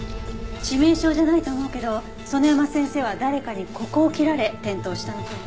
致命傷じゃないと思うけど園山先生は誰かにここを切られ転倒したのかも。